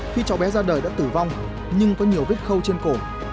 khi cháu bé ra đời đã tử vong nhưng có nhiều vết khâu trên cổ